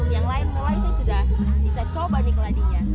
yang lain mulai saya sudah bisa coba nih keladinya